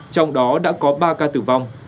trong đó đã có ba ca tử vong